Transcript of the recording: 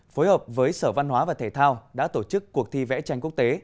phối hợp với sở văn hóa và thể thao đã tổ chức cuộc thi vẽ tranh quốc tế